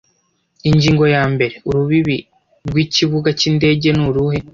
Ingingo yambere Urubibi rw Ikibuga cy Indege nuruhe